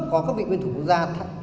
có các vị nguyên thủ quốc gia